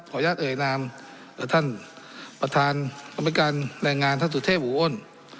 อนุญาตเอ่ยนามกับท่านประธานกรรมธิการแรงงานท่านสุเทพหูอ้น